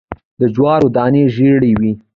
د جوارو دانی ژیړې وي